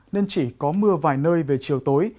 nên chỉ có mưa vài nơi về chiều tối